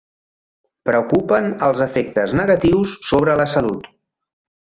Preocupen els efectes negatius sobre la salut.